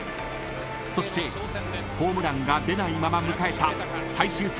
［そしてホームランが出ないまま迎えた］